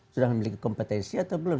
sudah memiliki kompetensi atau belum